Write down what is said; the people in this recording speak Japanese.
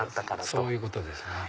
そういうことですね。